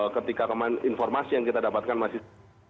ketika informasi yang kita dapatkan masih